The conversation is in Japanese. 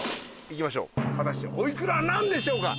行きましょう果たしておいくらなんでしょうか？